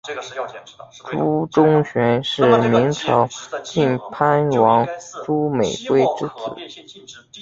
朱钟铉是明朝晋藩王朱美圭之子。